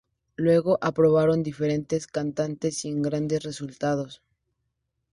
Luego probaron diferentes cantantes sin grandes resultados.